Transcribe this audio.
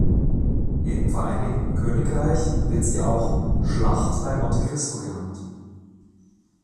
Im Vereinigten Königreich wird sie auch "Schlacht bei Monte Christo" genannt.